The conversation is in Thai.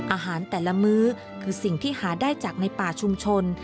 อาหารแต่ละมื้อคือสิ่งที่หาได้จากในป่าชุมชน